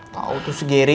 tau tuh sih gery